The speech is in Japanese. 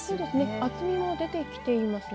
厚みも出てきていますね。